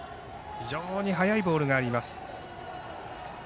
非常に速いボールがあります。